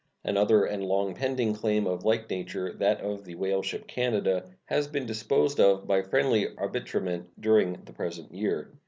Another and long pending claim of like nature, that of the whaleship Canada, has been disposed of by friendly arbitrament during the present year.